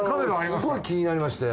すごい気になりまして。